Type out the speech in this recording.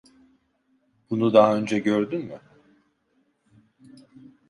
Bunu daha önce gördün mü?